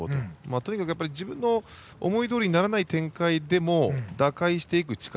とにかく自分の思いどおりにならない展開でも打開していく力。